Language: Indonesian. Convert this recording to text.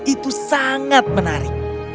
itu sangat menarik